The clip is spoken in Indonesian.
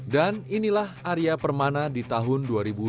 dan inilah arya permana di tahun dua ribu dua puluh dua